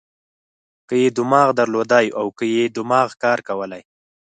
که یې دماغ درلودای او که یې دماغ کار کولای.